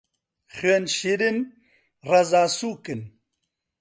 خوێن شیرن، ڕەزا سووکن